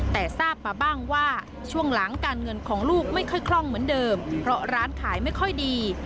แต่ทราบมาบ้างว่าช่วงหลังการเงินของลูกไม่ค่อยคล่องเหมือนเดิมเพราะร้านขายไม่ค่อยดี